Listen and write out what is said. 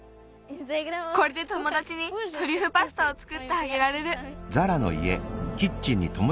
これでともだちにトリュフパスタをつくってあげられる。